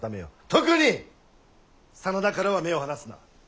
特に真田からは目を離すな！